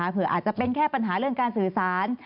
เผื่ออาจจะเป็นแค่ปัญหาเรื่องการสื่อสาร